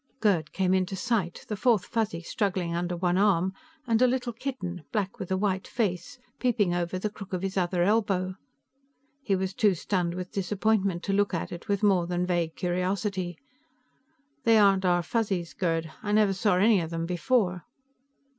Gerd came into sight, the fourth Fuzzy struggling under one arm and a little kitten, black with a white face, peeping over the crook of his other elbow. He was too stunned with disappointment to look at it with more than vague curiosity. "They aren't our Fuzzies, Gerd. I never saw any of them before."